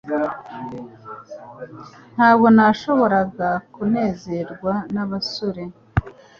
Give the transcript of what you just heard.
Ntabwo nashoboraga kunezezwa nabasore